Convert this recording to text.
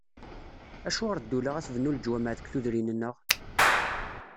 Acuɣer ddula ad tbennu leǧwameɛ deg tudrin-nneɣ?